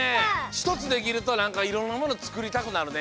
ひとつできるとなんかいろんなものつくりたくなるね。